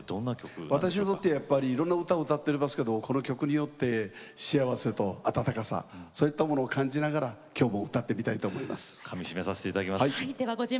いろいろな歌を歌っていますけれどもこの曲によって幸せと温かさそういったものを感じながら今日、歌いたいと思います。